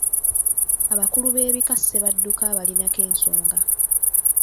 Abakulu b’ebika Ssebadduka abalinako ensonga.